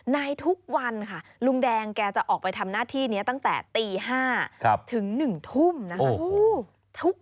ในทุกวันค่ะลุงแดงแกจะออกไปทำหน้าที่นี้ตั้งแต่ตี๕ถึง๑ทุ่มนะคะ